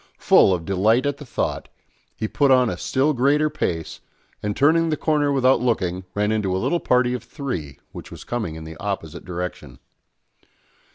Full of delight at the thought, he put on a still greater pace, and turning the corner without looking, ran into a little party of three, which was coming in the opposite direction.